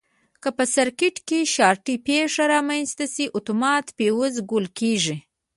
که په سرکټ کې د شارټي پېښه رامنځته شي اتومات فیوز ګل کېږي.